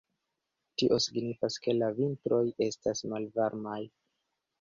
Tio signifas ke la vintroj estas malvarmaj.